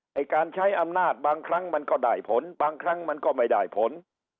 ไอ้การใช้อำนาจบางครั้งมันก็ได้ผลบางครั้งมันก็ไม่ได้ผล